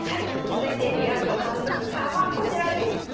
続いてレア度反則３はこちらです。